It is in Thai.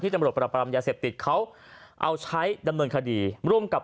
ตำรวจปรับปรามยาเสพติดเขาเอาใช้ดำเนินคดีร่วมกับ